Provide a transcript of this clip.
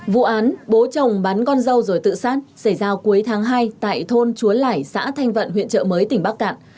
vụ án bố chồng bắn con dâu rồi tự sát xảy ra cuối tháng hai tại thôn chúa lải xã thanh vận huyện chợ mới tỉnh bắc cạn